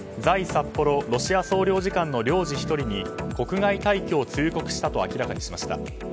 札幌ロシア総領事館の領事１人に国外退去を通告したと明らかにしました。